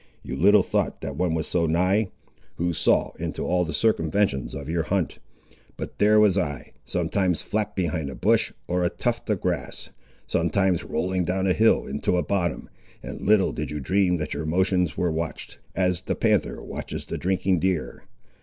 You little thought that one was so nigh, who saw into all the circumventions of your hunt; but there was I, sometimes flat behind a bush or a tuft of grass, sometimes rolling down a hill into a bottom, and little did you dream that your motions were watched, as the panther watches the drinking deer.